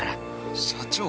社長！